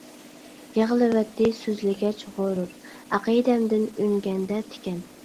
يىغلىۋەتتى سۆزلىگەچ غۇرۇر، ئەقىدەمدىن ئۈنگەندە تىكەن.